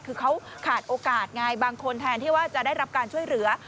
คือเขาขาดโอกาสไงบางคนแทนที่ว่าจะได้รับการช่วยเหลือ